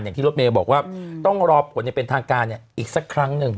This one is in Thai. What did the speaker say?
อย่างที่รสเมวะว่าต้องรอผลละเป็นทางการอีกสักครั้งหนึ่ง